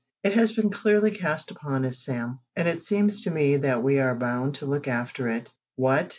It has been clearly cast upon us, Sam, and it seems to me that we are bound to look after it." "What!